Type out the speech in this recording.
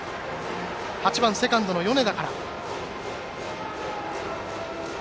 ８番セカンドの米田から。